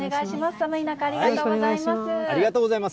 寒い中、ありがとうございます。